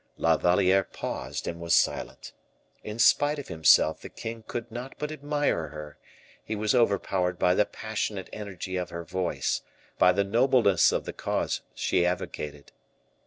'" La Valliere paused, and was silent. In spite of himself the king could not but admire her; he was overpowered by the passionate energy of her voice; by the nobleness of the cause she advocated.